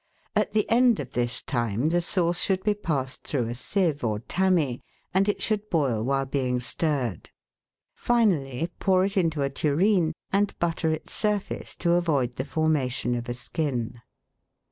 At the end of this time the sauce should be passed through a sieve or tammy, and it should boil while being stirred. Finally, pour it into a tureen, and butter its surface to avoid the formation of a skin.